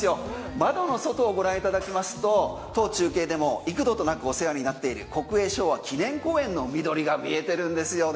窓の外をご覧いただきますと当中継でも幾度となくお世話になっている国営昭和記念公園の緑が見えてるんですよね。